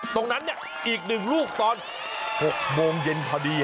ตรงนั้นอีก๑ลูกตอน๖โมงเย็นพอดี